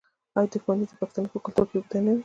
آیا دښمني د پښتنو په کلتور کې اوږده نه وي؟